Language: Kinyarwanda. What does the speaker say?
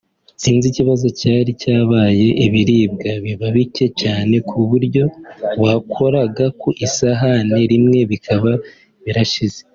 sinzi ikibazo cyari cyabaye ibiribwa biba bike cyane ku buryo wakoraga ku isahane rimwe bikaba birashize